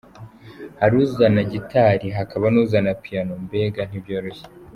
Hari uzana gitari hakaba n’uzana piyano, mbega ntibyoroshye”.